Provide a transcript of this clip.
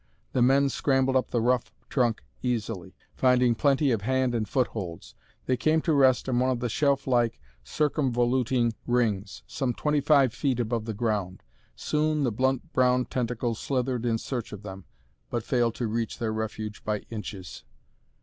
The men scrambled up the rough trunk easily, finding plenty of hand and footholds. They came to rest on one of the shelflike circumvoluting rings, some twenty five feet above the ground. Soon the blunt brown tentacles slithered in search of them, but failed to reach their refuge by inches.